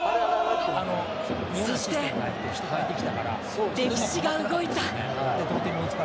そして歴史が動いた。